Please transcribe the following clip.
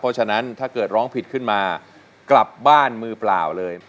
เพราะฉะนั้นถ้าเกิดร้องผิดขึ้นมากลับบ้านมือเปล่าเลย